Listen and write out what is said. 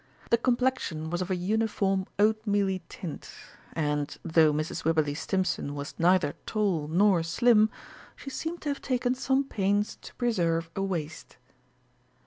The complexion was of a uniform oatmealy tint, and, though Mrs. Wibberley Stimpson was neither tall nor slim, she seemed to have taken some pains to preserve a waist.